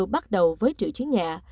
bắt đầu với trữ chiến nhẹ